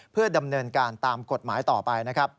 เพื่อดำเนินการตามกฎหมายต่อไป